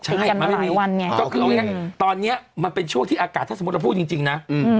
ก็คือตอนนี้มันเป็นช่วงที่อากาศถ้าสมมุติเราพูดจริงนะ